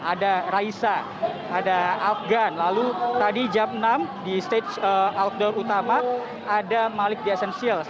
ada raisa ada afgan lalu tadi jam enam di stage outdoor utama ada malik di essentials